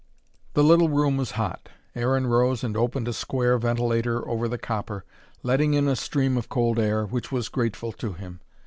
The little room was hot. Aaron rose and opened a square ventilator over the copper, letting in a stream of cold air, which was grateful to him.